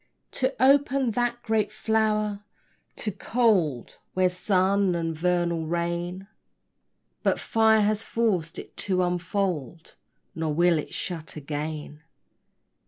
To open that great flower, too cold Were sun and vernal rain; But fire has forced it to unfold, Nor will it shut again.